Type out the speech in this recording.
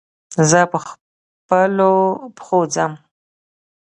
زه به پخپلو پښو ځم.